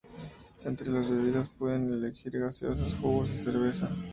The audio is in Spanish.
Entre las bebidas se pueden elegir gaseosas, jugos y cerveza.